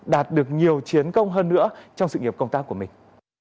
đạt được nhiều chiến công hơn nữa trong sự nghiệp công tác của mình